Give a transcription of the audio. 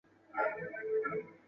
常州晋陵人。